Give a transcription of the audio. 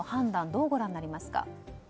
どうご覧になりますか。